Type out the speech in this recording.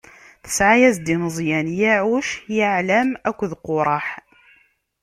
Tesɛa-as-d i Meẓyan: Yaɛuc, Yaɛlam akked Quraḥ.